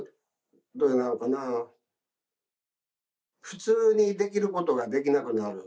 普通にできることができなくなる。